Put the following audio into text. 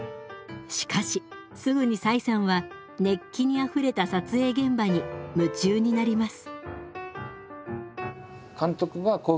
しかしすぐに崔さんは熱気にあふれた撮影現場に夢中になります。